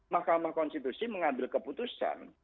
mahkamah konstitusi mengambil keputusan